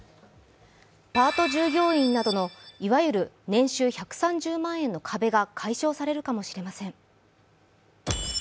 パート従業員などのいわゆる年収１３０万円の壁が解消されるかもしれません。